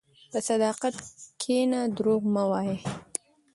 په صداقت کښېنه، دروغ مه وایې.